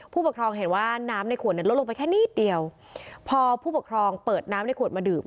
ผู้ปกครองเห็นว่าน้ำในขวดเนี่ยลดลงไปแค่นิดเดียวพอผู้ปกครองเปิดน้ำในขวดมาดื่ม